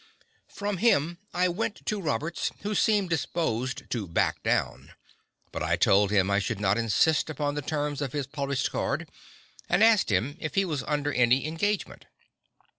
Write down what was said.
From him I went to Roberts, who seemed disposed to "back down," but I told him I should not insist upon the terms of his published card, and asked him if he was under any engagement?